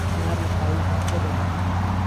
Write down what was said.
هەنار لە پایزدا پێدەگات.